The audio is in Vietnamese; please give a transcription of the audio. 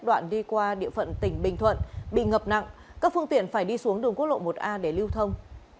đoạn đi qua địa phận tỉnh bình thuận bị ngập nặng các phương tiện phải đi xuống đường quốc lộ một a để lưu thông